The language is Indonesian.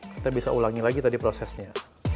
kita bisa ulangi lagi tadi prosesnya